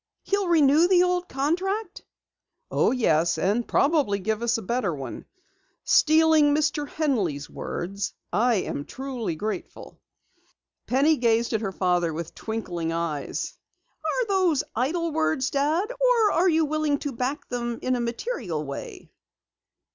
"He'll renew the old contract?" "Oh, yes, and probably give us a better one. Stealing Mr. Henley's words, I am truly grateful." Penny gazed at her father with twinkling eyes. "Are those idle words, Dad? Or are you willing to back them in a material way?"